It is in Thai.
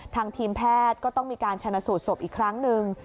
ทางทีมแพทย์ก็ต้องมีการชนะสูตรศพอีกครั้งหนึ่ง